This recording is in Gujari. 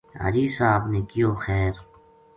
حاجی صاحب نے کہیو خیر